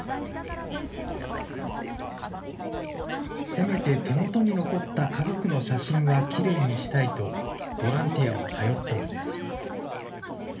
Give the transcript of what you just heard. せめて手元に残った家族の写真はきれいにしたいと、ボランティアを頼ったのです。